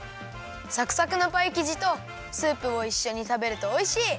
サクサクのパイきじとスープをいっしょにたべるとおいしい！